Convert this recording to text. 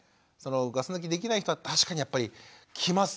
ガス抜きできない人は確かにやっぱりきますよね。